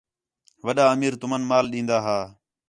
وݙا امیر تُمن مال ݙین٘دا ہا